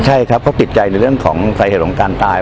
ใช่ครับเขาติดใจในเรื่องของสาเหตุของการตาย